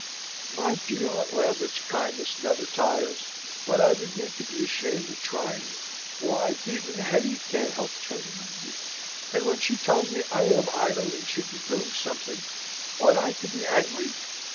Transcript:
My dear Aunt Lambert's kindness never tires, but I begin to be ashamed of trying it. Why, even Hetty can't help turning on me; and when she tells me I am idle and should be doing something, ought I to be angry?